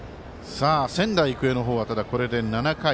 仙台育英の方はこれで７回。